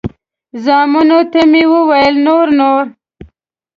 زامنو ته مې وویل نور نو.